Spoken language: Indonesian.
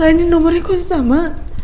gak ini nomornya kok sama